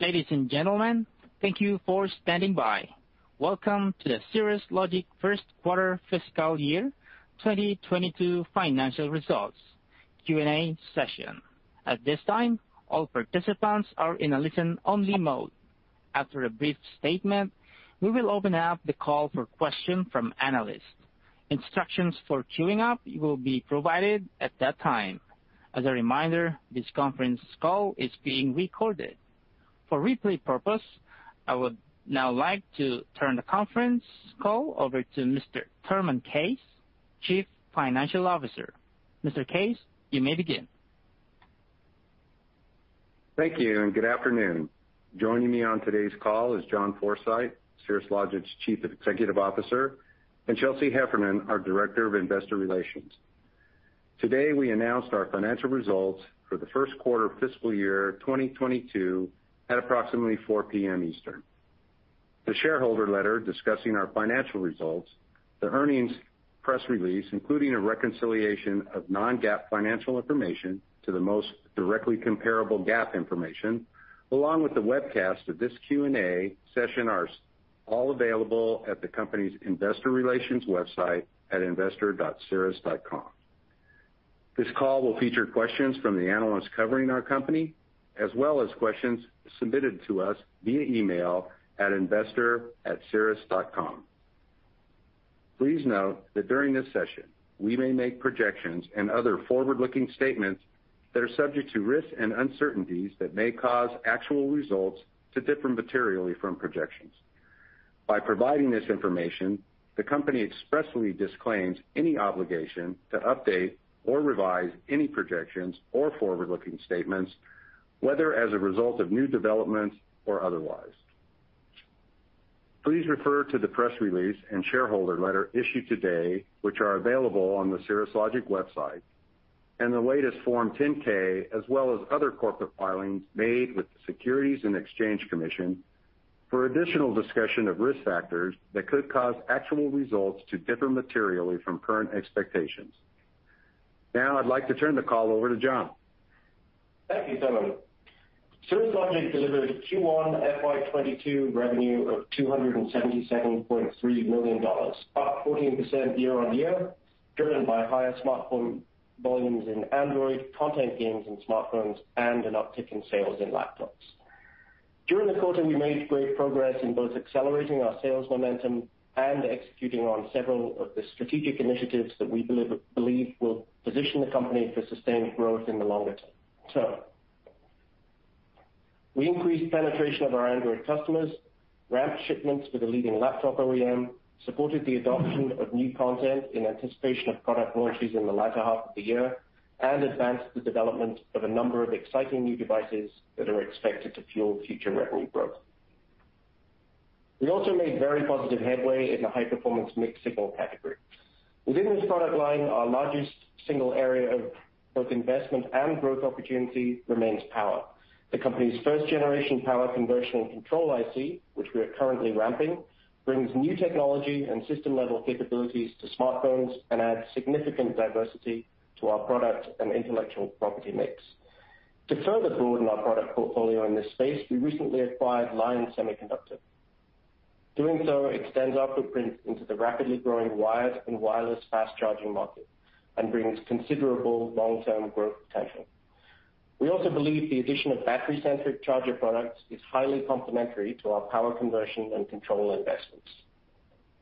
Ladies and gentlemen, thank you for standing by. Welcome to the Cirrus Logic First Quarter Fiscal Year 2022 Financial Results Q&A Session. At this time, all participants are in a listen-only mode. After a brief statement, we will open up the call for questions from analysts. Instructions for queuing up will be provided at that time. As a reminder, this conference call is being recorded. For replay purposes, I would now like to turn the conference call over to Mr. Thurman Case, Chief Financial Officer. Mr. Case, you may begin. Thank you, and good afternoon. Joining me on today's call is John Forsyth, Cirrus Logic's Chief Executive Officer, and Chelsea Heffernan, our Director of Investor Relations. Today, we announced our financial results for the first quarter fiscal year 2022 at approximately 4:00 P.M. Eastern. The shareholder letter discussing our financial results, the earnings press release, including a reconciliation of non-GAAP financial information to the most directly comparable GAAP information, along with the webcast of this Q&A session are all available at the company's Investor Relations website at investor.cirrus.com. This call will feature questions from the analysts covering our company, as well as questions submitted to us via email at investor@cirrus.com. Please note that during this session, we may make projections and other forward-looking statements that are subject to risks and uncertainties that may cause actual results to differ materially from projections. By providing this information, the company expressly disclaims any obligation to update or revise any projections or forward-looking statements, whether as a result of new developments or otherwise. Please refer to the press release and shareholder letter issued today, which are available on the Cirrus Logic website, and the latest Form 10-K, as well as other corporate filings made with the Securities and Exchange Commission for additional discussion of risk factors that could cause actual results to differ materially from current expectations. Now, I'd like to turn the call over to John. Thank you, Thurman. Cirrus Logic delivered Q1 FY2022 revenue of $277.3 million, up 14% year-on-year, driven by higher smartphone volumes in Android, content gains on smartphones, and an uptick in sales in laptops. During the quarter, we made great progress in both accelerating our sales momentum and executing on several of the strategic initiatives that we believe will position the company for sustained growth in the longer term. We increased penetration of our Android customers, ramped shipments for the leading laptop OEM, supported the adoption of new content in anticipation of product launches in the latter half of the year, and advanced the development of a number of exciting new devices that are expected to fuel future revenue growth. We also made very positive headway in the high-performance mixed-signal category. Within this product line, our largest single area of both investment and growth opportunity remains power. The company's first-generation power conversion and control IC, which we are currently ramping, brings new technology and system-level capabilities to smartphones and adds significant diversity to our product and intellectual property mix. To further broaden our product portfolio in this space, we recently acquired Lion Semiconductor. Doing so extends our footprint into the rapidly growing wired and wireless fast-charging market and brings considerable long-term growth potential. We also believe the addition of battery-centric charger products is highly complementary to our power conversion and control investments.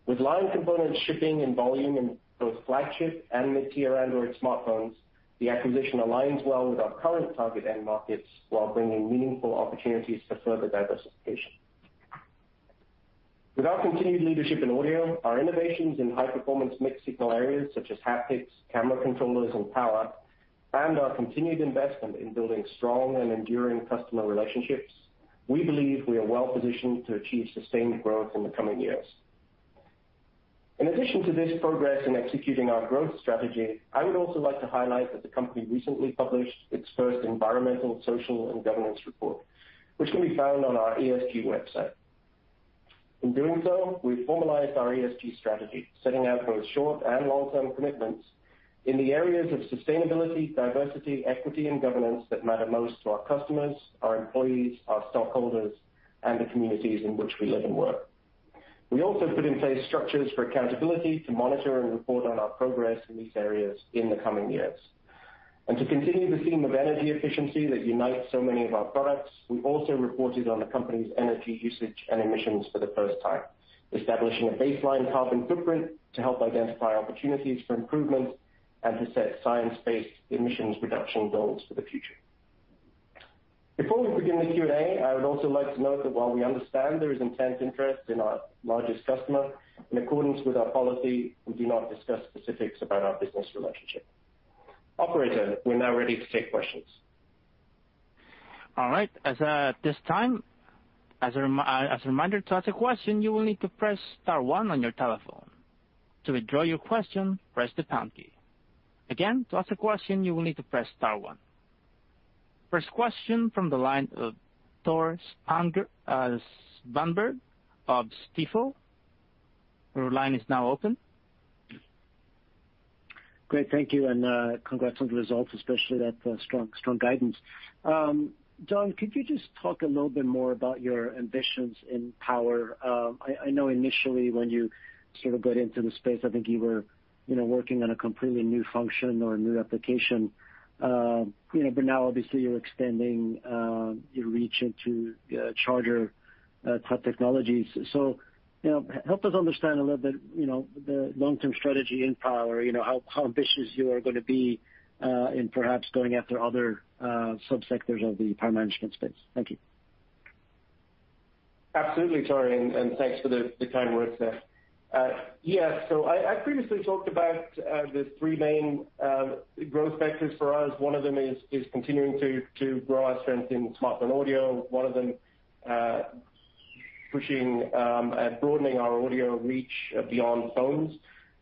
With Lion components shipping in volume in both flagship and mid-tier Android smartphones, the acquisition aligns well with our current target end markets while bringing meaningful opportunities for further diversification. With our continued leadership in audio, our innovations in high-performance mixed signal areas such as haptics, camera controllers, and power, and our continued investment in building strong and enduring customer relationships, we believe we are well-positioned to achieve sustained growth in the coming years. In addition to this progress in executing our growth strategy, I would also like to highlight that the company recently published its first environmental, social, and governance report, which can be found on our ESG website. In doing so, we've formalized our ESG strategy, setting out both short and long-term commitments in the areas of sustainability, diversity, equity, and governance that matter most to our customers, our employees, our stockholders, and the communities in which we live and work. We also put in place structures for accountability to monitor and report on our progress in these areas in the coming years. And to continue the theme of energy efficiency that unites so many of our products, we also reported on the company's energy usage and emissions for the first time, establishing a baseline carbon footprint to help identify opportunities for improvement and to set science-based emissions reduction goals for the future. Before we begin the Q&A, I would also like to note that while we understand there is intense interest in our largest customer, in accordance with our policy, we do not discuss specifics about our business relationship. Operator, we're now ready to take questions. All right. At this time, as a reminder to ask a question, you will need to press star one on your telephone. To withdraw your question, press the pound key. Again, to ask a question, you will need to press star one. First question from the line of Tore Svanberg of Stifel. Your line is now open. Great. Thank you, and congrats on the results, especially that strong guidance. John, could you just talk a little bit more about your ambitions in power? I know initially when you sort of got into the space, I think you were working on a completely new function or a new application. But now, obviously, you're extending your reach into charger-type technologies. So help us understand a little bit the long-term strategy in power, how ambitious you are going to be in perhaps going after other subsectors of the power management space. Thank you. Absolutely, Tore, and thanks for the kind words there. Yes, so I previously talked about the three main growth factors for us. One of them is continuing to grow our strength in smartphone audio. One of them is broadening our audio reach beyond phones.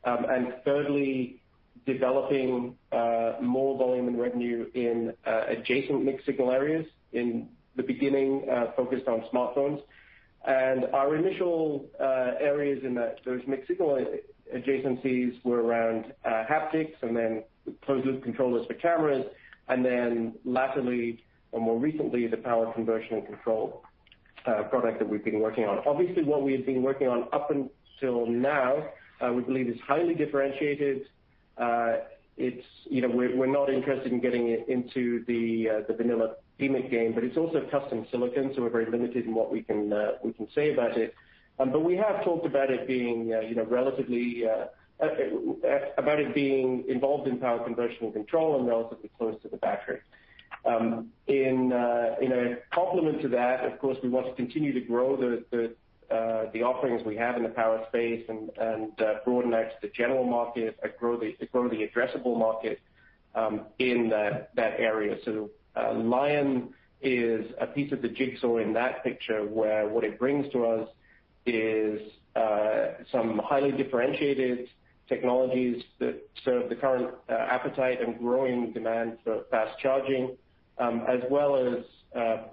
And thirdly, developing more volume and revenue in adjacent mixed-signal areas, in the beginning focused on smartphones. And our initial areas in those mixed-signal adjacencies were around haptics and then closed-loop controllers for cameras, and then laterally, or more recently, the power conversion and control product that we've been working on. Obviously, what we have been working on up until now, we believe, is highly differentiated. We're not interested in getting into the vanilla PMIC game, but it's also custom silicon, so we're very limited in what we can say about it. But we have talked about it being involved in power conversion and control and relatively close to the battery. In a complement to that, of course, we want to continue to grow the offerings we have in the power space and broaden out to the general market and grow the addressable market in that area. So Lion is a piece of the jigsaw in that picture, where what it brings to us is some highly differentiated technologies that serve the current appetite and growing demand for fast charging, as well as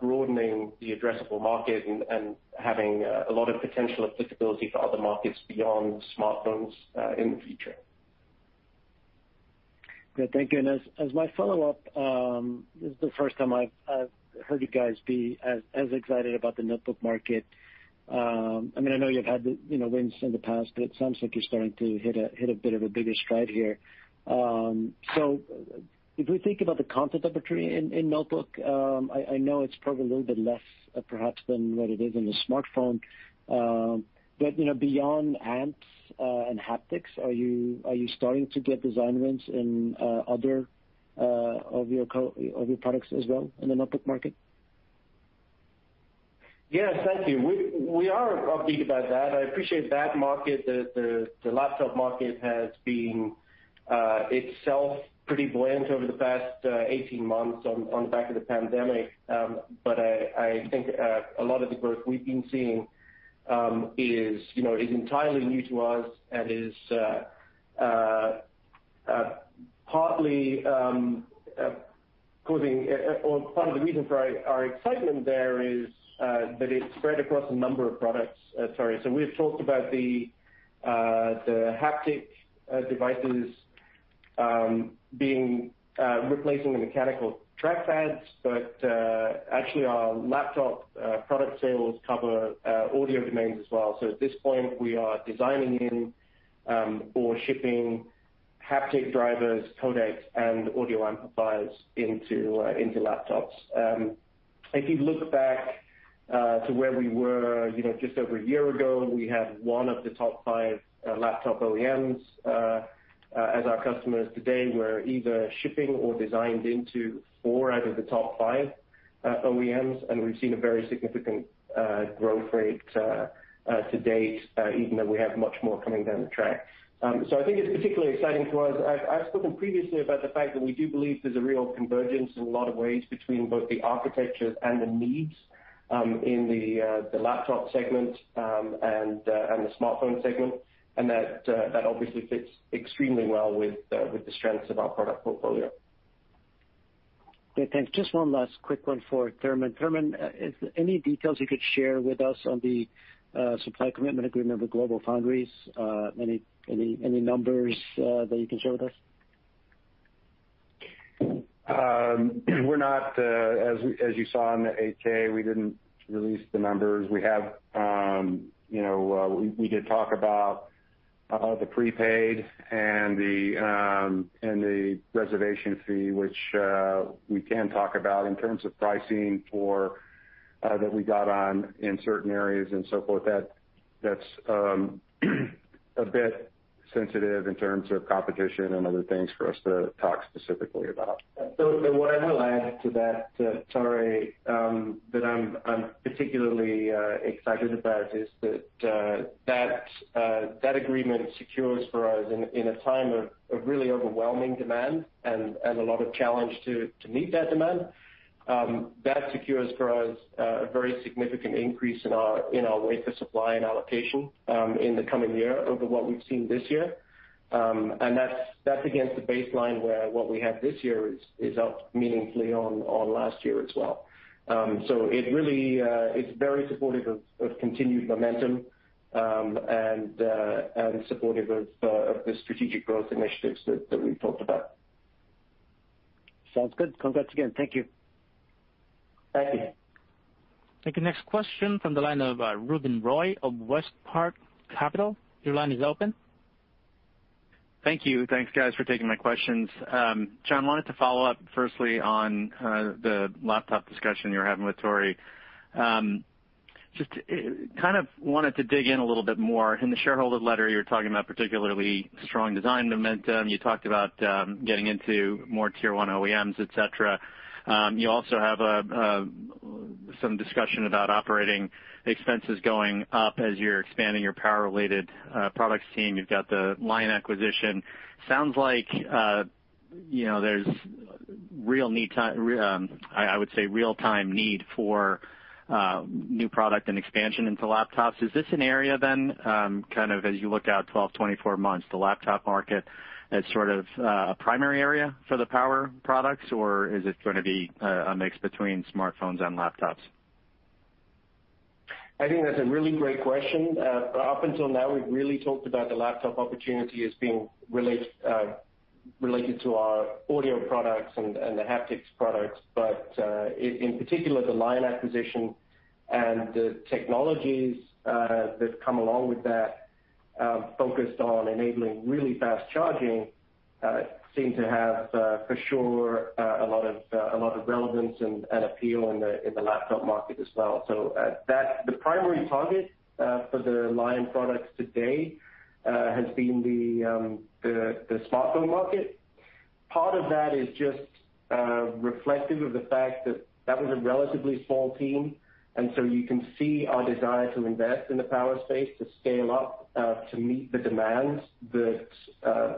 broadening the addressable market and having a lot of potential applicability for other markets beyond smartphones in the future. Good. Thank you. And as my follow-up, this is the first time I've heard you guys be as excited about the notebook market. I mean, I know you've had wins in the past, but it sounds like you're starting to hit a bit of a bigger stride here. So if we think about the content opportunity in notebook, I know it's probably a little bit less, perhaps, than what it is in the smartphone. But beyond amps and haptics, are you starting to get design wins in other of your products as well in the notebook market? Yes, thank you. We are upbeat about that. I appreciate that market. The laptop market has been itself pretty buoyant over the past 18 months on the back of the pandemic. But I think a lot of the growth we've been seeing is entirely new to us and is partly causing or part of the reason for our excitement there is that it's spread across a number of products. Sorry. So we've talked about the haptic devices replacing the mechanical trackpads, but actually, our laptop product sales cover audio demands as well. So at this point, we are designing in or shipping haptic drivers, codecs, and audio amplifiers into laptops. If you look back to where we were just over a year ago, we had one of the top five laptop OEMs. As our customers today were either shipping or designed into four out of the top five OEMs, and we've seen a very significant growth rate to date, even though we have much more coming down the track, so I think it's particularly exciting to us. I've spoken previously about the fact that we do believe there's a real convergence in a lot of ways between both the architectures and the needs in the laptop segment and the smartphone segment, and that obviously fits extremely well with the strengths of our product portfolio. Great. Thanks. Just one last quick one for Thurman. Thurman, any details you could share with us on the supply commitment agreement with GlobalFoundries? Any numbers that you can share with us? As you saw in the 8-K, we didn't release the numbers. We did talk about the prepaid and the reservation fee, which we can talk about in terms of pricing that we got on in certain areas and so forth. That's a bit sensitive in terms of competition and other things for us to talk specifically about. So what I will add to that, Tore, that I'm particularly excited about is that that agreement secures for us in a time of really overwhelming demand and a lot of challenge to meet that demand. That secures for us a very significant increase in our weight of supply and allocation in the coming year over what we've seen this year. And that's against the baseline where what we had this year is up meaningfully on last year as well. So it's very supportive of continued momentum and supportive of the strategic growth initiatives that we've talked about. Sounds good. Congrats again. Thank you. Thank you. Thank you. Next question from the line of Ruben Roy of West Park Capital. Your line is open. Thank you. Thanks, guys, for taking my questions. John, I wanted to follow up, firstly, on the laptop discussion you were having with Tore. Just kind of wanted to dig in a little bit more. In the shareholder letter, you were talking about particularly strong design momentum. You talked about getting into more tier-one OEMs, etc. You also have some discussion about operating expenses going up as you're expanding your power-related products team. You've got the Lion acquisition. Sounds like there's real need, I would say real-time need for new product and expansion into laptops. Is this an area then, kind of as you look out 12, 24 months, the laptop market as sort of a primary area for the power products, or is it going to be a mix between smartphones and laptops? I think that's a really great question. Up until now, we've really talked about the laptop opportunity as being related to our audio products and the haptics products. But in particular, the Lion acquisition and the technologies that come along with that, focused on enabling really fast charging, seem to have for sure a lot of relevance and appeal in the laptop market as well. So the primary target for the Lion products today has been the smartphone market. Part of that is just reflective of the fact that that was a relatively small team. And so you can see our desire to invest in the power space, to scale up, to meet the demands that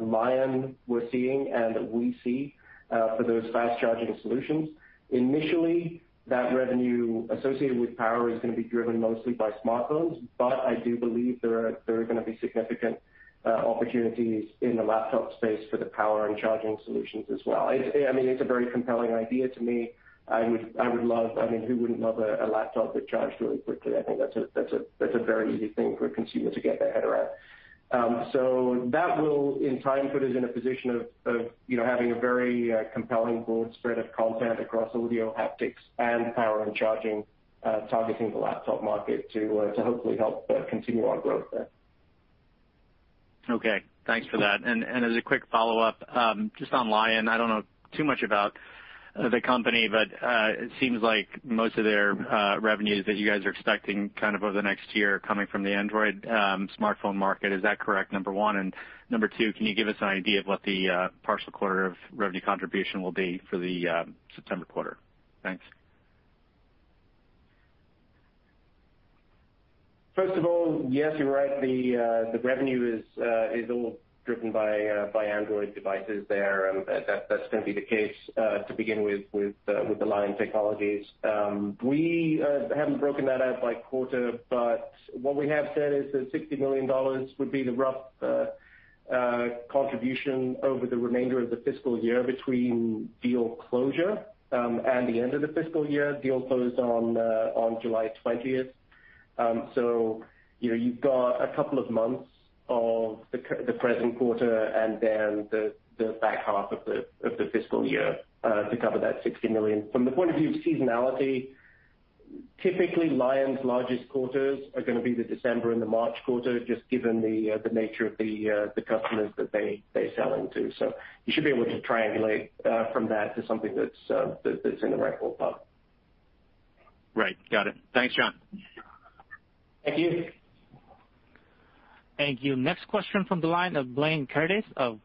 Lion were seeing and that we see for those fast-charging solutions. Initially, that revenue associated with power is going to be driven mostly by smartphones, but I do believe there are going to be significant opportunities in the laptop space for the power and charging solutions as well. I mean, it's a very compelling idea to me. I would love. I mean, who wouldn't love a laptop that charged really quickly? I think that's a very easy thing for a consumer to get their head around. So that will, in time, put us in a position of having a very compelling broad spread of content across audio, haptics, and power and charging, targeting the laptop market to hopefully help continue our growth there. Okay. Thanks for that. And as a quick follow-up, just on Lion, I don't know too much about the company, but it seems like most of their revenues that you guys are expecting kind of over the next year are coming from the Android smartphone market. Is that correct, number one? And number two, can you give us an idea of what the partial quarter of revenue contribution will be for the September quarter? Thanks. First of all, yes, you're right. The revenue is all driven by Android devices there. That's going to be the case to begin with with the Lion technologies. We haven't broken that out by quarter, but what we have said is that $60 million would be the rough contribution over the remainder of the fiscal year between deal closure and the end of the fiscal year. Deal closed on July 20th. So you've got a couple of months of the present quarter and then the back half of the fiscal year to cover that $60 million. From the point of view of seasonality, typically, Lion's largest quarters are going to be the December and the March quarter, just given the nature of the customers that they sell into. So you should be able to triangulate from that to something that's in the right ballpark. Right. Got it. Thanks, John. Thank you. Thank you. Next question from the line of Blaine Curtis of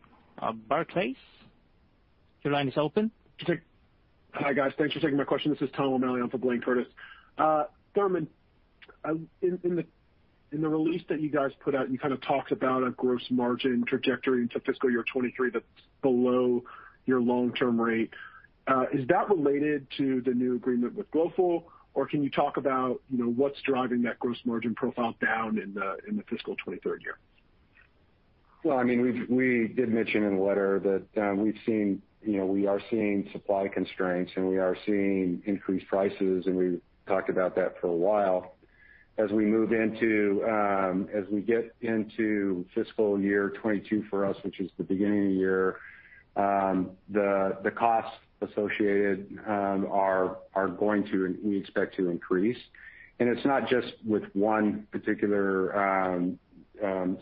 Barclays. Your line is open. Hi, guys. Thanks for taking my question. This is Tom O'Malley on for Blaine Curtis. Thurman, in the release that you guys put out, you kind of talked about a gross margin trajectory into fiscal year 2023 that's below your long-term rate. Is that related to the new agreement with GlobalFoundries, or can you talk about what's driving that gross margin profile down in the fiscal 2023 year? Well, I mean, we did mention in the letter that we've seen, we are seeing supply constraints, and we are seeing increased prices, and we've talked about that for a while. As we move into, as we get into fiscal year 2022 for us, which is the beginning of the year, the costs associated are going to, we expect to increase. And it's not just with one particular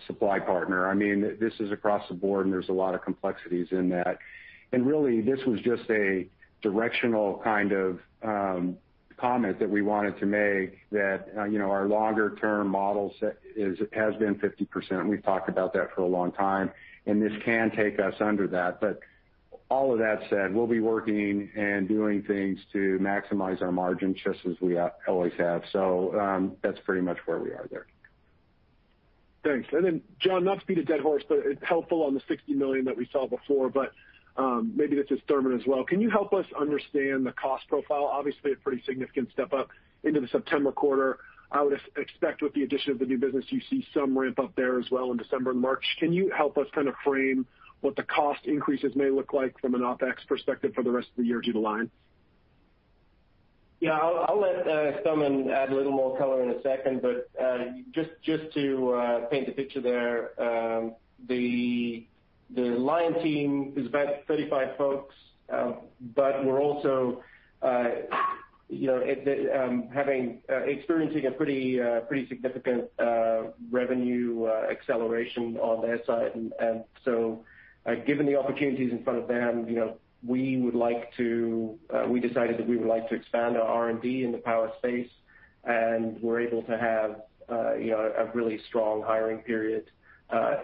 supply partner. I mean, this is across the board, and there's a lot of complexities in that. And really, this was just a directional kind of comment that we wanted to make that our longer-term model has been 50%, and we've talked about that for a long time, and this can take us under that. But all of that said, we'll be working and doing things to maximize our margins just as we always have. So that's pretty much where we are there. Thanks. And then, John, not to beat a dead horse, but it's helpful on the $60 million that we saw before, but maybe this is Thurman as well. Can you help us understand the cost profile? Obviously, a pretty significant step up into the September quarter. I would expect with the addition of the new business, you see some ramp up there as well in December and March. Can you help us kind of frame what the cost increases may look like from an OpEx perspective for the rest of the year due to Lion? Yeah. I'll let Thurman add a little more color in a second. But just to paint the picture there, the Lion team is about 35 folks, but we're also experiencing a pretty significant revenue acceleration on their side. And so given the opportunities in front of them, we would like to--we decided that we would like to expand our R&D in the power space, and we're able to have a really strong hiring period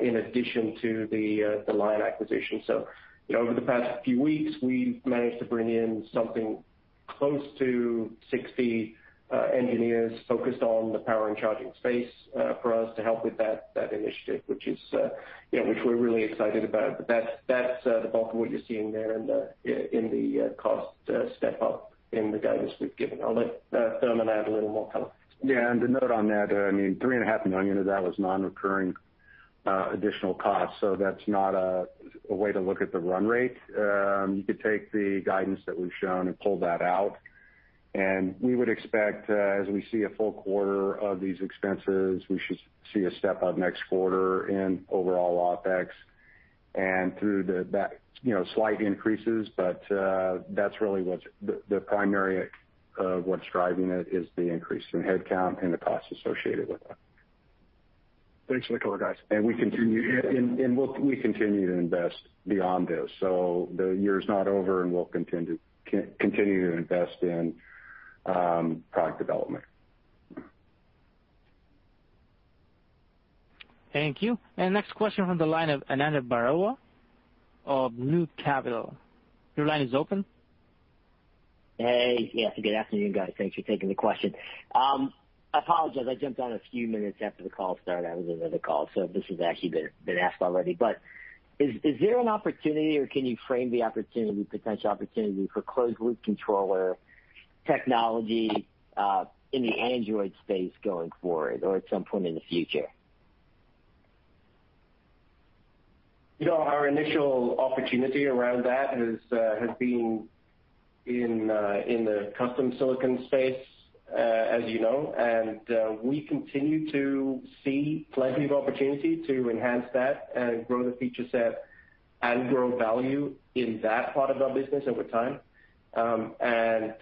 in addition to the Lion acquisition. So over the past few weeks, we've managed to bring in something close to 60 engineers focused on the power and charging space for us to help with that initiative, which we're really excited about. But that's the bulk of what you're seeing there in the cost step up in the guidance we've given. I'll let Thurman add a little more color. Yeah. And the note on that, I mean, $3.5 million of that was non-recurring additional costs. So that's not a way to look at the run rate. You could take the guidance that we've shown and pull that out. And we would expect, as we see a full quarter of these expenses, we should see a step up next quarter in overall OpEx and through that slight increases. But that's really what's the primary of what's driving it is the increase in headcount and the cost associated with it. Thanks for the color, guys. And we continue to invest beyond those. So the year's not over, and we'll continue to invest in product development. Thank you. And next question from the line of Ananda Baruah, of Loop Capital. Your line is open. Hey. Yeah, it's a good afternoon, guys. Thanks for taking the question. I apologize. I jumped on a few minutes after the call started. I was in another call, so this has actually been asked already. But is there an opportunity, or can you frame the potential opportunity for closed-loop controller technology in the Android space going forward or at some point in the future? Our initial opportunity around that has been in the custom silicon space, as you know, and we continue to see plenty of opportunity to enhance that and grow the feature set and grow value in that part of our business over time, and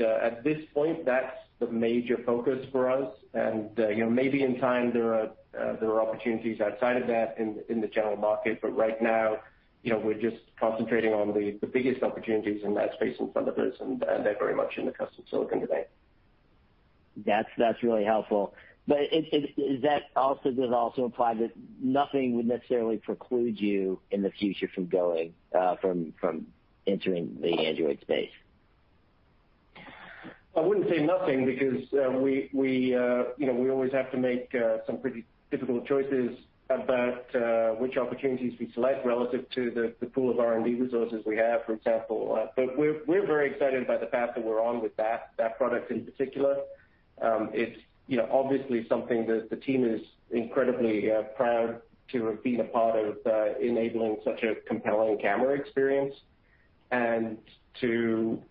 at this point, that's the major focus for us, and maybe in time, there are opportunities outside of that in the general market, but right now, we're just concentrating on the biggest opportunities in that space in front of us, and they're very much in the custom silicon today. That's really helpful. But does that also apply that nothing would necessarily preclude you in the future from entering the Android space? I wouldn't say nothing because we always have to make some pretty difficult choices about which opportunities we select relative to the pool of R&D resources we have, for example. But we're very excited by the path that we're on with that product in particular. It's obviously something that the team is incredibly proud to have been a part of enabling such a compelling camera experience and to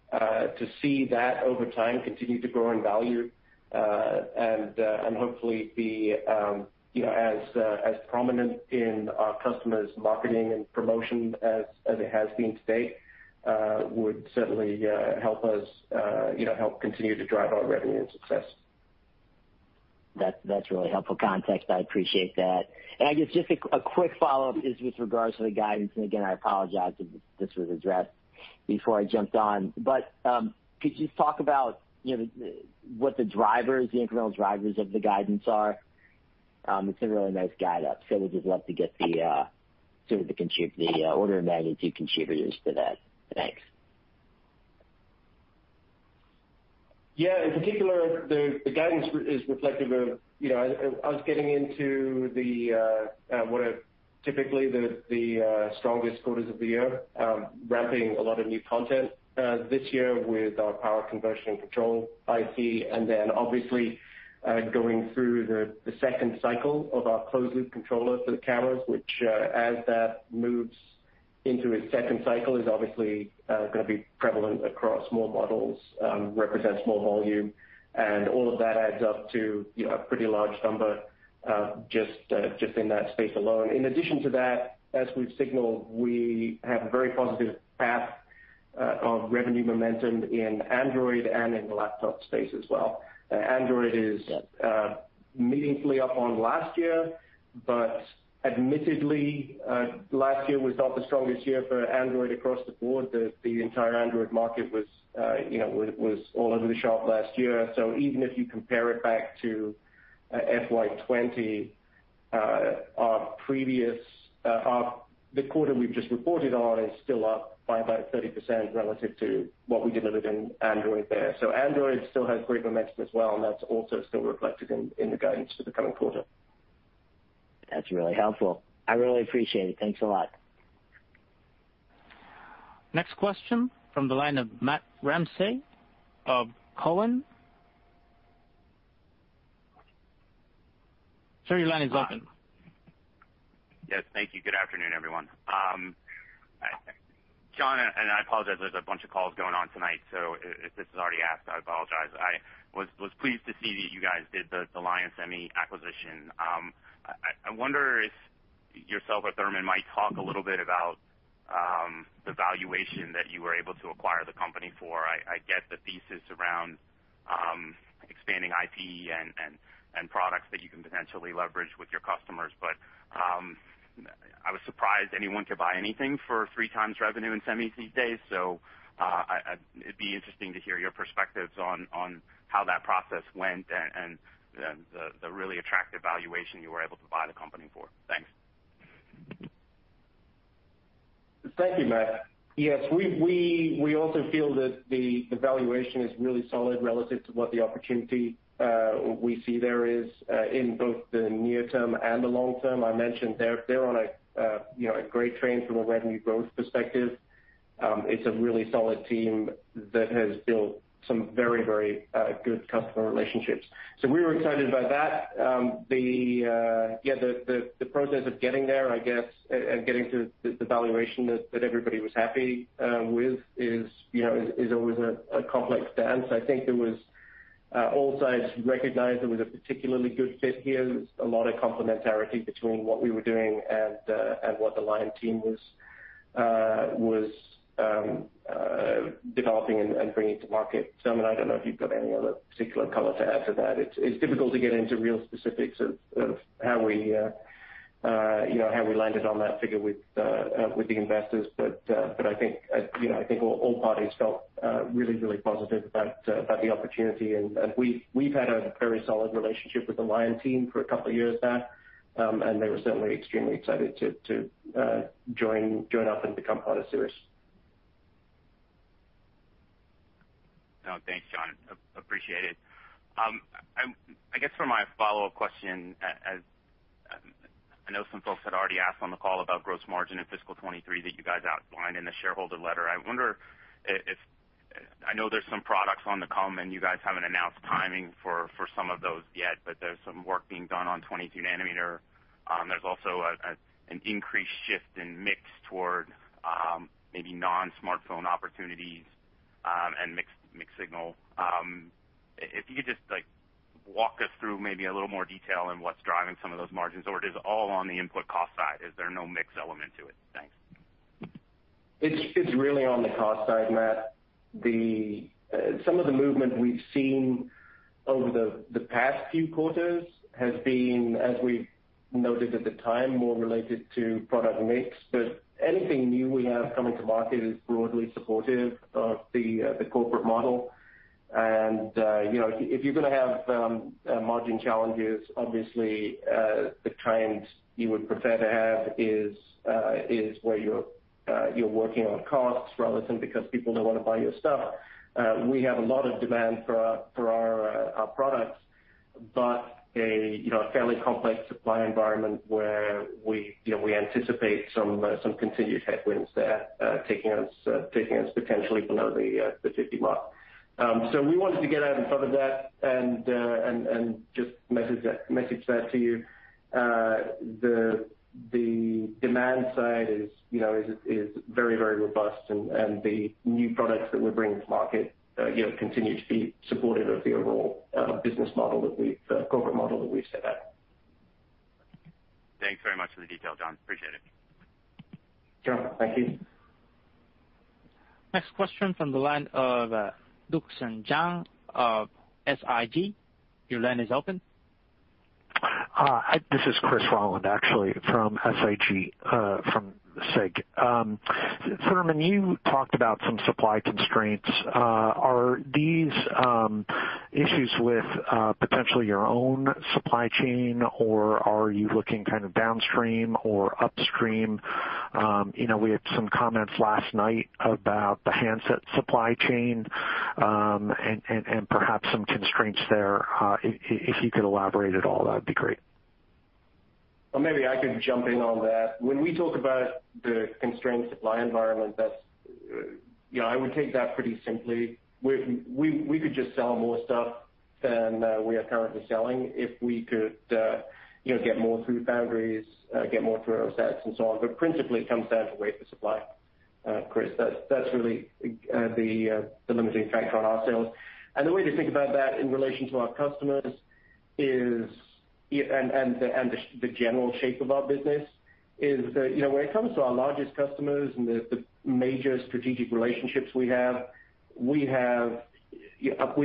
see that over time continue to grow in value and hopefully be as prominent in our customers' marketing and promotion as it has been today would certainly help us help continue to drive our revenue and success. That's really helpful context. I appreciate that. And I guess just a quick follow-up is with regards to the guidance. And again, I apologize if this was addressed before I jumped on. But could you just talk about what the drivers, the incremental drivers of the guidance are? It's a really nice guide-up. So we'd just love to get sort of the order of magnitude contributors to that. Thanks. Yeah. In particular, the guidance is reflective of us getting into what are typically the strongest quarters of the year, ramping a lot of new content this year with our power conversion control IC, and then obviously going through the second cycle of our closed-loop controller for the cameras, which as that moves into its second cycle is obviously going to be prevalent across more models, represents more volume. And all of that adds up to a pretty large number just in that space alone. In addition to that, as we've signaled, we have a very positive path of revenue momentum in Android and in the laptop space as well. Android is meaningfully up on last year, but admittedly, last year was not the strongest year for Android across the board. The entire Android market was all over the shop last year. So even if you compare it back to FY2020, the quarter we've just reported on is still up by about 30% relative to what we delivered in Android there. So Android still has great momentum as well, and that's also still reflected in the guidance for the coming quarter. That's really helpful. I really appreciate it. Thanks a lot. Next question from the line of Matt Ramsay of Cowen. Sir, your line is open. Yes. Thank you. Good afternoon, everyone. John, and I apologize. There's a bunch of calls going on tonight, so if this is already asked, I apologize. I was pleased to see that you guys did the Lion Semiconductor acquisition. I wonder if yourself or Thurman might talk a little bit about the valuation that you were able to acquire the company for. I get the thesis around expanding IP and products that you can potentially leverage with your customers, but I was surprised anyone could buy anything for three times revenue in Semi these days. So it'd be interesting to hear your perspectives on how that process went and the really attractive valuation you were able to buy the company for. Thanks. Thank you, Matt. Yes. We also feel that the valuation is really solid relative to what the opportunity we see there is in both the near term and the long term. I mentioned they're on a great train from a revenue growth perspective. It's a really solid team that has built some very, very good customer relationships. So we were excited about that. Yeah, the process of getting there, I guess, and getting to the valuation that everybody was happy with is always a complex dance. I think all sides recognize there was a particularly good fit here. There's a lot of complementarity between what we were doing and what the Lion team was developing and bringing to market. Thurman, I don't know if you've got any other particular color to add to that. It's difficult to get into real specifics of how we landed on that figure with the investors, but I think all parties felt really, really positive about the opportunity, and we've had a very solid relationship with the Lion team for a couple of years now, and they were certainly extremely excited to join up and become part of Cirrus. Thanks, John. Appreciate it. I guess for my follow-up question, I know some folks had already asked on the call about gross margin in fiscal 2023 that you guys outlined in the shareholder letter. I know there's some products on the come, and you guys haven't announced timing for some of those yet, but there's some work being done on 22 nanometer. There's also an increased shift in mix toward maybe non-smartphone opportunities and mixed signal. If you could just walk us through maybe a little more detail in what's driving some of those margins, or is it all on the input cost side? Is there no mix element to it? Thanks. It's really on the cost side, Matt. Some of the movement we've seen over the past few quarters has been, as we've noted at the time, more related to product mix. But anything new we have coming to market is broadly supportive of the corporate model. And if you're going to have margin challenges, obviously the trend you would prefer to have is where you're working on costs relative because people don't want to buy your stuff. We have a lot of demand for our products, but a fairly complex supply environment where we anticipate some continued headwinds there taking us potentially below the 50 mark. So we wanted to get ahead in front of that and just message that to you. The demand side is very, very robust, and the new products that we're bringing to market continue to be supportive of the overall business model, the corporate model that we've set up. Thanks very much for the detail, John. Appreciate it. Sure. Thank you. Next question from the line of Chris Rolland of SIG. Your line is open. This is Chris Rolland, actually, from SIG, from SIG. Thurman, you talked about some supply constraints. Are these issues with potentially your own supply chain, or are you looking kind of downstream or upstream? We had some comments last night about the handset supply chain and perhaps some constraints there. If you could elaborate at all, that would be great. Maybe I could jump in on that. When we talk about the constrained supply environment, I would take that pretty simply. We could just sell more stuff than we are currently selling if we could get more through foundries, get more through our OSATs, and so on. But principally, it comes down to wafer supply, Chris. That's really the limiting factor on our sales. The way to think about that in relation to our customers and the general shape of our business is that when it comes to our largest customers and the major strategic relationships we have, we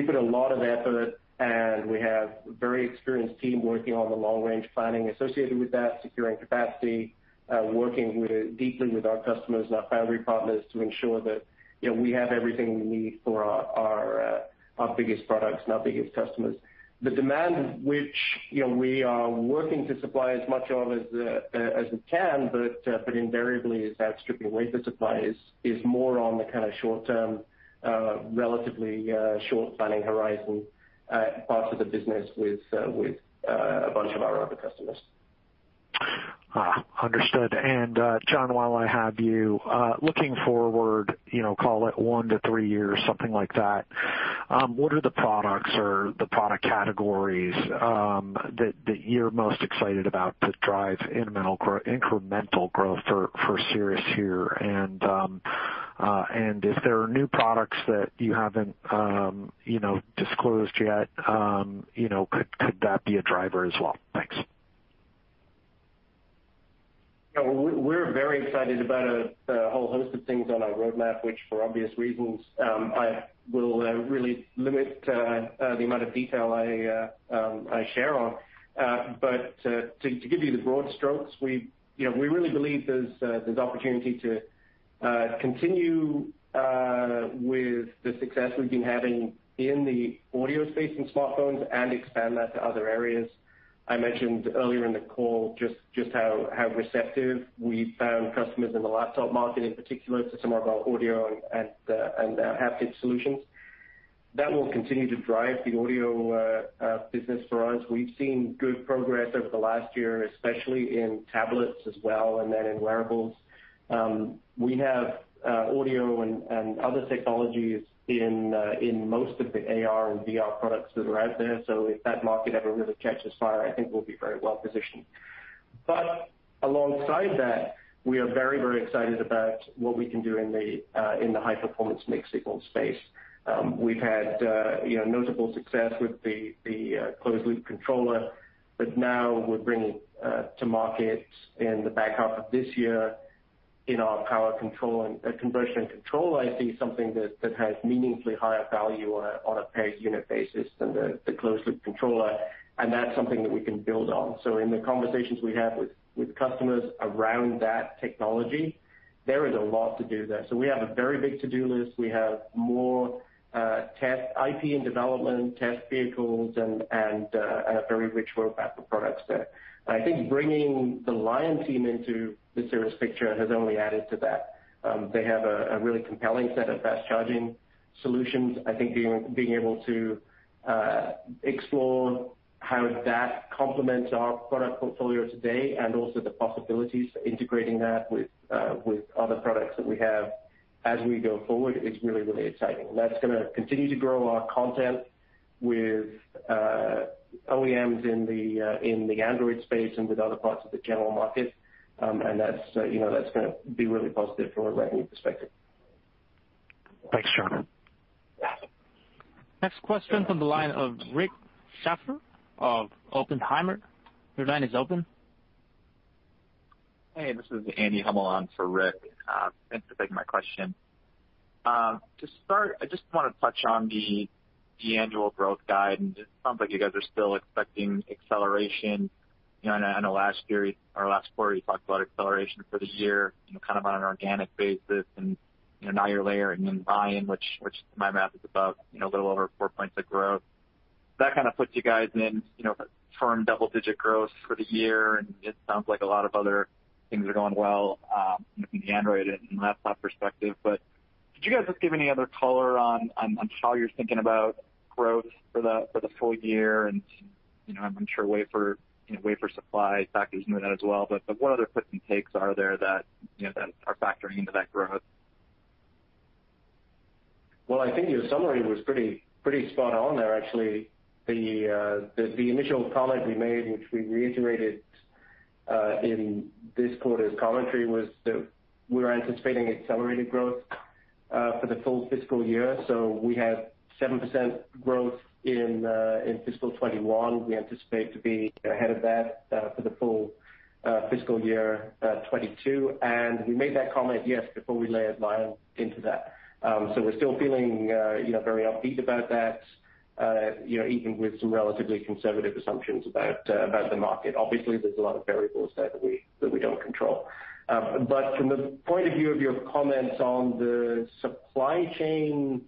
put a lot of effort, and we have a very experienced team working on the long-range planning associated with that, securing capacity, working deeply with our customers and our foundry partners to ensure that we have everything we need for our biggest products and our biggest customers. The demand, which we are working to supply as much of as we can, but invariably is that stripping water supply is more on the kind of short-term, relatively short planning horizon parts of the business with a bunch of our other customers. Understood. And John, while I have you, looking forward, call it one to three years, something like that, what are the products or the product categories that you're most excited about to drive incremental growth for Cirrus here? And if there are new products that you haven't disclosed yet, could that be a driver as well? Thanks. We're very excited about a whole host of things on our roadmap, which for obvious reasons, I will really limit the amount of detail I share on. But to give you the broad strokes, we really believe there's opportunity to continue with the success we've been having in the audio space and smartphones and expand that to other areas. I mentioned earlier in the call just how receptive we found customers in the laptop market, in particular for some of our audio and haptic solutions. That will continue to drive the audio business for us. We've seen good progress over the last year, especially in tablets as well and then in wearables. We have audio and other technologies in most of the AR and VR products that are out there. So if that market ever really catches fire, I think we'll be very well positioned. but alongside that, we are very, very excited about what we can do in the high-performance mixed-signal space. We've had notable success with the closed-loop controller, but now we're bringing our power conversion controller to market in the back half of this year. I see something that has meaningfully higher value on a per-unit basis than the closed-loop controller, and that's something that we can build on. So in the conversations we have with customers around that technology, there is a lot to do there. So we have a very big to-do list. We have more IP in development, test vehicles, and a very rich roadmap of products there. I think bringing the Lion team into the Cirrus picture has only added to that. They have a really compelling set of fast charging solutions. I think being able to explore how that complements our product portfolio today and also the possibilities for integrating that with other products that we have as we go forward is really, really exciting. And that's going to continue to grow our content with OEMs in the Android space and with other parts of the general market. And that's going to be really positive from a revenue perspective. Thanks, John. Next question from the line of Rick Schafer of Oppenheimer. Your line is open. Hey, this is Andrew Uerkwitz for Rick. Thanks for taking my question. To start, I just want to touch on the annual growth guide. And it sounds like you guys are still expecting acceleration in the last period. Our last quarter, you talked about acceleration for the year, kind of on an organic basis, and now you're layering in Lion, which to my math is about a little over four points of growth. That kind of puts you guys in firm double-digit growth for the year, and it sounds like a lot of other things are going well from the Android and laptop perspective. But could you guys just give any other color on how you're thinking about growth for the full year? And I'm sure wafer supply factors into that as well. But what other puts and takes are there that are factoring into that growth? I think your summary was pretty spot on there, actually. The initial comment we made, which we reiterated in this quarter's commentary, was that we're anticipating accelerated growth for the full fiscal year. So we have 7% growth in fiscal 2021. We anticipate to be ahead of that for the full fiscal year 2022. And we made that comment, yes, before we layered Lion into that. So we're still feeling very upbeat about that, even with some relatively conservative assumptions about the market. Obviously, there's a lot of variables there that we don't control. But from the point of view of your comments on the supply chain,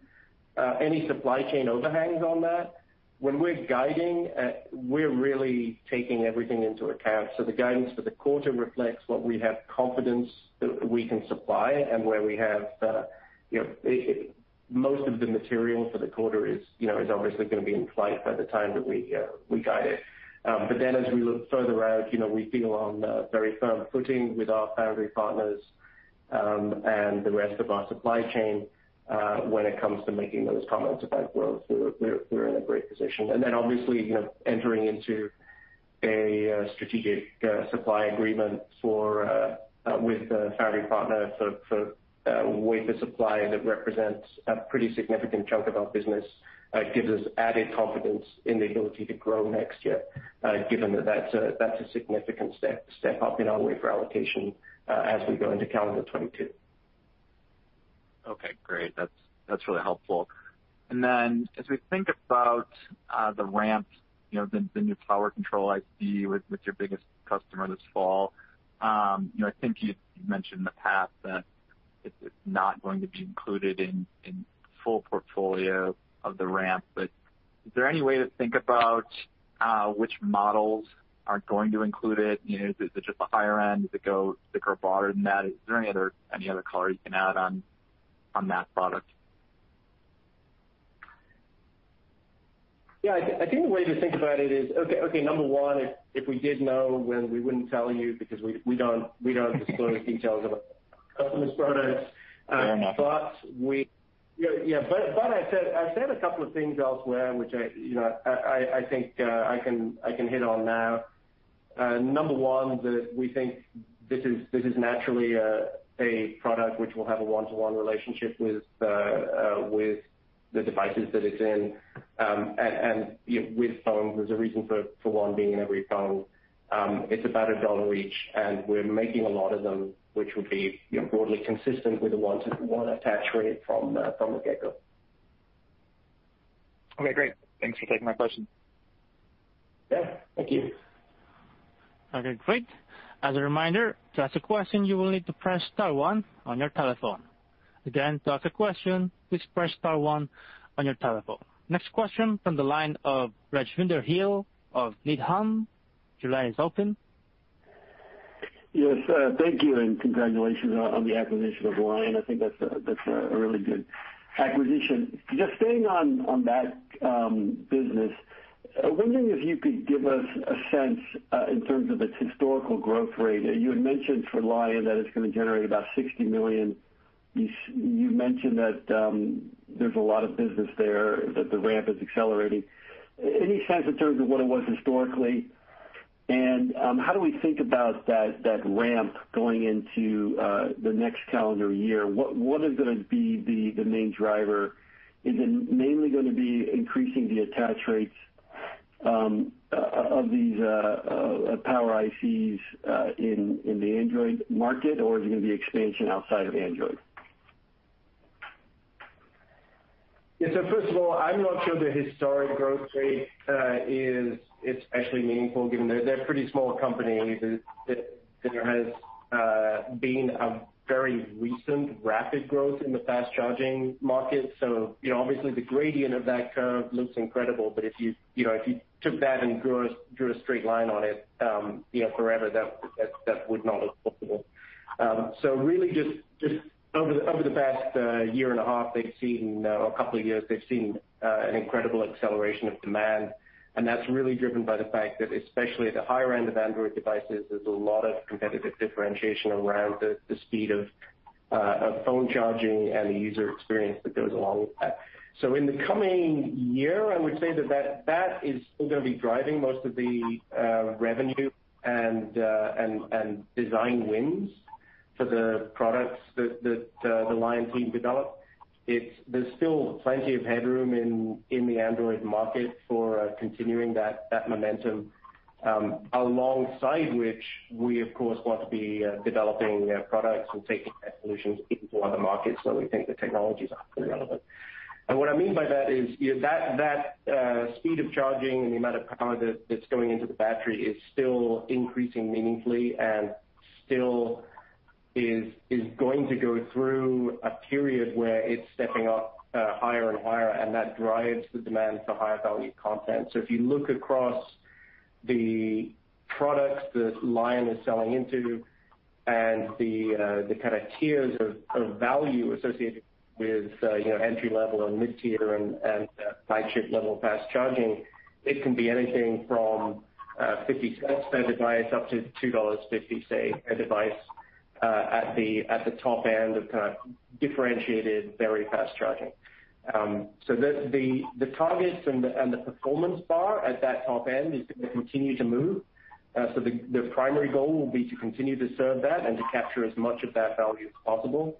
any supply chain overhangs on that, when we're guiding, we're really taking everything into account. The guidance for the quarter reflects what we have confidence that we can supply and where we have most of the material for the quarter is obviously going to be in flight by the time that we guide it. But then as we look further out, we feel on very firm footing with our foundry partners and the rest of our supply chain when it comes to making those comments about growth. We're in a great position. And then obviously entering into a strategic supply agreement with the foundry partner for wafer supply that represents a pretty significant chunk of our business gives us added confidence in the ability to grow next year, given that that's a significant step up in our wafer allocation as we go into calendar 2022. Okay, great. That's really helpful. And then as we think about the ramp, the new power control IC with your biggest customer this fall, I think you mentioned in the past that it's not going to be included in the full portfolio of the ramp. But is there any way to think about which models aren't going to include it? Is it just the higher end? Is it go broader than that? Is there any other color you can add on that product? Yeah, I think the way to think about it is, okay, number one, if we did know, we wouldn't tell you because we don't disclose details of customers' products. Fair enough. But I said a couple of things elsewhere, which I think I can hit on now. Number one, that we think this is naturally a product which will have a one-to-one relationship with the devices that it's in and with phones. There's a reason for one being in every phone. It's about $1 each, and we're making a lot of them, which would be broadly consistent with a one-to-one attach rate from the get-go. Okay, great. Thanks for taking my question. Yeah, thank you. Okay, great. As a reminder, to ask a question, you will need to press star one on your telephone. Again, to ask a question, please press star one on your telephone. Next question from the line of Rajvindra Gill of Needham. Your line is open. Yes, thank you, and congratulations on the acquisition of Lion. I think that's a really good acquisition. Just staying on that business, I'm wondering if you could give us a sense in terms of its historical growth rate. You had mentioned for Lion that it's going to generate about $60 million. You mentioned that there's a lot of business there, that the ramp is accelerating. Any sense in terms of what it was historically? And how do we think about that ramp going into the next calendar year? What is going to be the main driver? Is it mainly going to be increasing the attach rates of these power ICs in the Android market, or is it going to be expansion outside of Android? Yeah, so first of all, I'm not sure the historic growth rate is actually meaningful, given that they're a pretty small company. There has been a very recent rapid growth in the fast charging market, so obviously, the gradient of that curve looks incredible, but if you took that and drew a straight line on it forever, that would not have looked possible, so really, just over the past year and a half, they've seen or a couple of years, they've seen an incredible acceleration of demand, and that's really driven by the fact that, especially at the higher end of Android devices, there's a lot of competitive differentiation around the speed of phone charging and the user experience that goes along with that, so in the coming year, I would say that that is still going to be driving most of the revenue and design wins for the products that the Lion team developed. There's still plenty of headroom in the Android market for continuing that momentum, alongside which we, of course, want to be developing products and taking that solution into other markets. So we think the technology is absolutely relevant. And what I mean by that is that speed of charging and the amount of power that's going into the battery is still increasing meaningfully and still is going to go through a period where it's stepping up higher and higher, and that drives the demand for higher value content. So if you look across the products that Lion is selling into and the kind of tiers of value associated with entry-level and mid-tier and flagship-level fast charging, it can be anything from $0.50 per device up to $2.50, say, per device at the top end of kind of differentiated, very fast charging. So the targets and the performance bar at that top end is going to continue to move. So the primary goal will be to continue to serve that and to capture as much of that value as possible.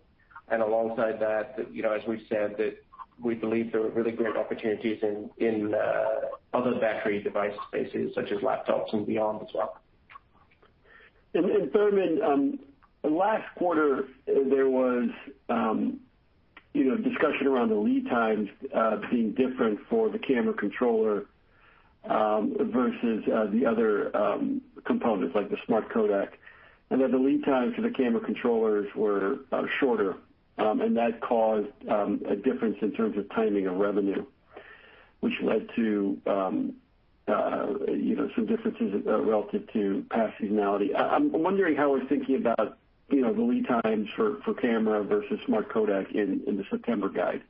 And alongside that, as we've said, that we believe there are really great opportunities in other battery device spaces, such as laptops and beyond as well. And Thurman, last quarter, there was discussion around the lead times being different for the camera controller versus the other components, like the smart codec. And then the lead times for the camera controllers were shorter, and that caused a difference in terms of timing of revenue, which led to some differences relative to past seasonality. I'm wondering how we're thinking about the lead times for camera versus smart codec in the September guide.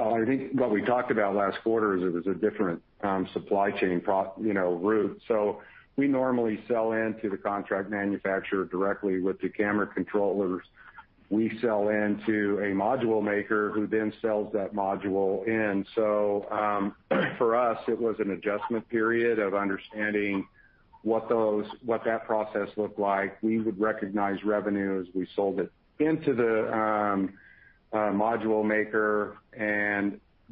I think what we talked about last quarter is it was a different supply chain route. We normally sell into the contract manufacturer directly with the camera controllers. We sell into a module maker who then sells that module in. For us, it was an adjustment period of understanding what that process looked like. We would recognize revenue as we sold it into the module maker,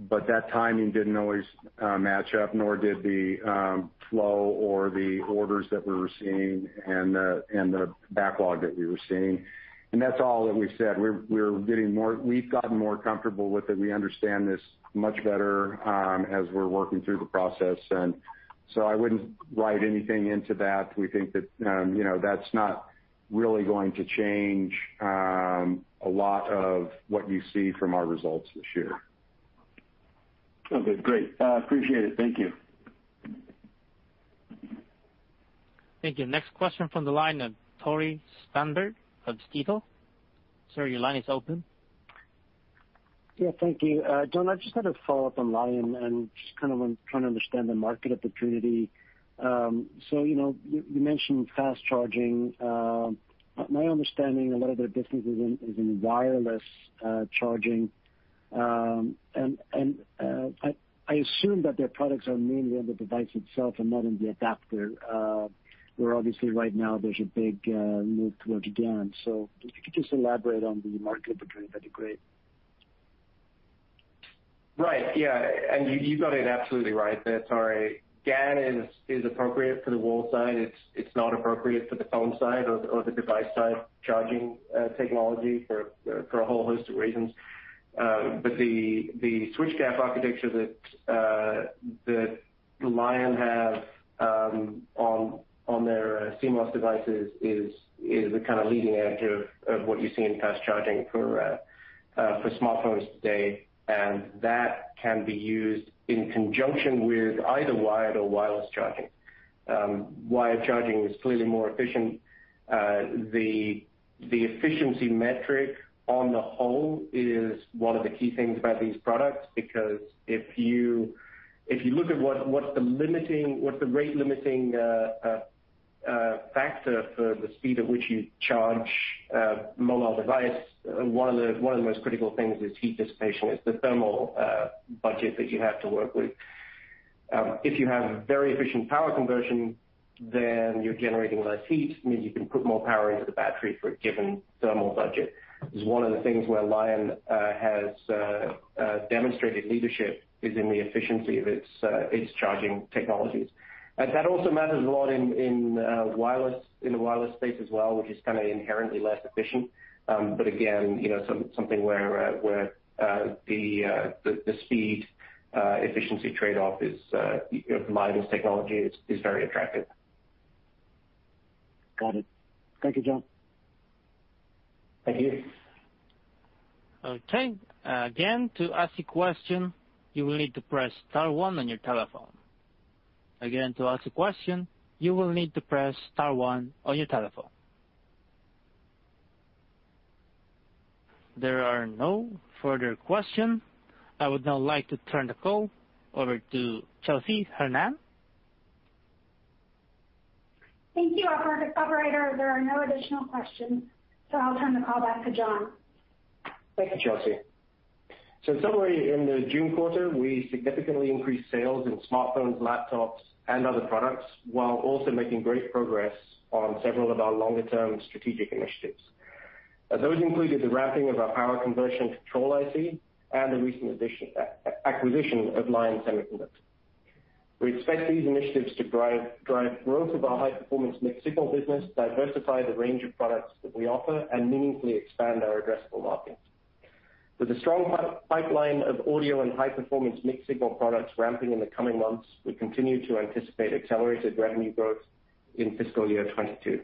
but that timing didn't always match up, nor did the flow or the orders that we were seeing and the backlog that we were seeing. That's all that we've said. We've gotten more comfortable with it. We understand this much better as we're working through the process. I wouldn't write anything into that. We think that that's not really going to change a lot of what you see from our results this year. Okay, great. Appreciate it. Thank you. Thank you. Next question from the line of Tore Svanberg of Stifel. Sir, your line is open. Yeah, thank you. John, I just had a follow-up on Lion and just kind of trying to understand the market opportunity. So you mentioned fast charging. My understanding, a lot of their business is in wireless charging. And I assume that their products are mainly on the device itself and not on the adapter, where obviously right now there's a big move towards GaN. So if you could just elaborate on the market opportunity, that'd be great. Right, yeah. And you've got it absolutely right. That's all right. GaN is appropriate for the wall side. It's not appropriate for the phone side or the device side charging technology for a whole host of reasons. But the switched-capacitor architecture that Lion have on their CMOS devices is the kind of leading edge of what you see in fast charging for smartphones today. And that can be used in conjunction with either wired or wireless charging. Wired charging is clearly more efficient. The efficiency metric on the whole is one of the key things about these products because if you look at what's the rate-limiting factor for the speed at which you charge a mobile device, one of the most critical things is heat dissipation. It's the thermal budget that you have to work with. If you have very efficient power conversion, then you're generating less heat. It means you can put more power into the battery for a given thermal budget. It's one of the things where Lion has demonstrated leadership is in the efficiency of its charging technologies. That also matters a lot in the wireless space as well, which is kind of inherently less efficient. But again, something where the speed-efficiency trade-off of Lion's technology is very attractive. Got it. Thank you, John. Thank you. Okay. Again, to ask a question, you will need to press star one on your telephone. Again, to ask a question, you will need to press star one on your telephone. There are no further questions. I would now like to turn the call over to Chelsea Heffernan. Thank you, Operator. There are no additional questions, so I'll turn the call back to John. Thank you, Chelsea. In summary, in the June quarter, we significantly increased sales in smartphones, laptops, and other products while also making great progress on several of our longer-term strategic initiatives. Those included the ramping of our power conversion control IC and the recent acquisition of Lion Semiconductor. We expect these initiatives to drive growth of our high-performance mixed-signal business, diversify the range of products that we offer, and meaningfully expand our addressable market. With a strong pipeline of audio and high-performance mixed-signal products ramping in the coming months, we continue to anticipate accelerated revenue growth in fiscal year 2022.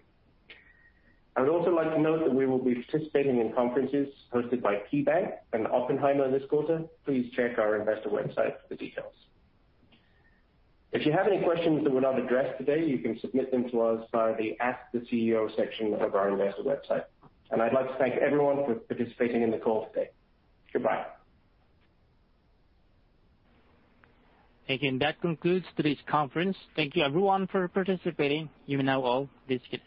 I would also like to note that we will be participating in conferences hosted by KeyBanc Capital Markets and Oppenheimer this quarter. Please check our investor website for the details. If you have any questions that were not addressed today, you can submit them to us via the Ask the CEO section of our investor website. And I'd like to thank everyone for participating in the call today. Goodbye. Thank you. And that concludes today's conference. Thank you, everyone, for participating. You may now all disconnect.